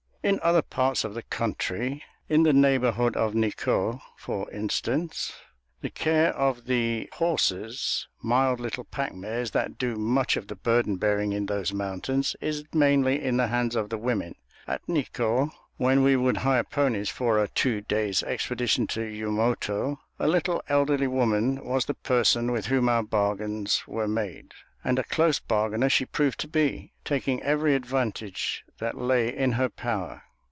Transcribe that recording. In other parts of the country, in the neighborhood of Nikkō, for instance, the care of the horses, mild little pack mares that do much of the burden bearing in those mountains, is mainly in the hands of the women. At Nikkō, when we would hire ponies for a two days' expedition to Yumoto, a little, elderly woman was the person with whom our bargains were made; and a close bargainer she proved to be, taking every advantage that lay in her power.